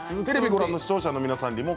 テレビをご覧の視聴者の皆さん